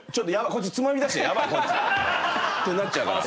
こいつつまみ出してやばいこいつ。ってなっちゃうから。